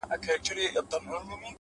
نیک نیت بدې فضاوې نرموي؛